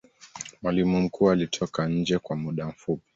mwalimu mkuu alitoka nje kw muda mfupi